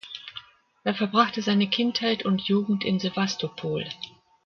Er verbrachte seine Kindheit und Jugend in Sewastopol.